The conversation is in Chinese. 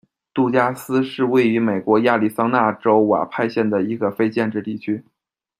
杜加斯是位于美国亚利桑那州亚瓦派县的一个非建制地区。